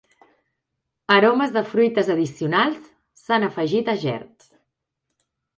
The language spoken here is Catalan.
Aromes de fruites addicionals s'han afegit a gerds.